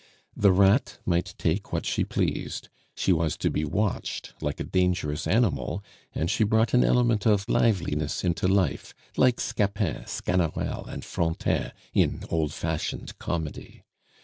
The "rat" might take what she pleased; she was to be watched like a dangerous animal, and she brought an element of liveliness into life, like Scapin, Sganarelle, and Frontin in old fashioned comedy.